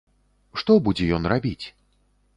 Што будзе ён рабіць?